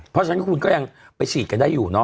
เพราะฉะนั้นคุณก็ยังไปฉีดกันได้อยู่เนอ